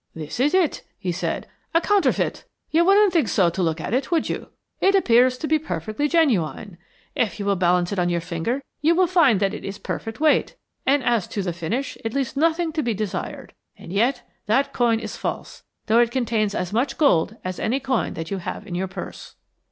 "This is it," he said. "A counterfeit. You wouldn't think so to look at it, would you? It appears to be perfectly genuine. If you will balance it on your finger you will find that it is perfect weight, and as to the finish it leaves nothing to be desired. And yet that coin is false, though it contains as much gold as any coin that you have in your purse."